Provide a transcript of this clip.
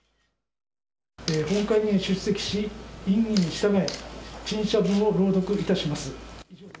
本会議に出席し、院議に従い、陳謝文を朗読いたします。